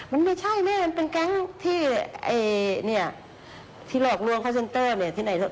มันไม่ใช่แม่มันเป็นแก๊งที่เนี่ยที่หลอกลวงคอร์เซ็นเตอร์เนี่ย